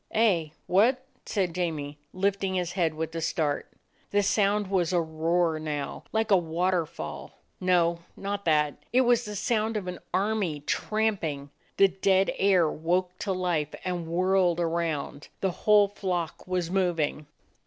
"Eh, what?" said Jamie, lifting his head with a start. The sound was a roar now, like a waterfall: no, not that; it was the sound of an army tramping. The dead air woke to life and whirled around ; the whole flock was moving.